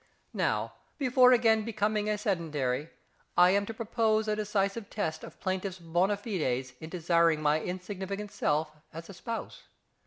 Now, before again becoming a sedentary, I am to propose a decisive test of plaintiff's bona fides in desiring my insignificant self as a spouse.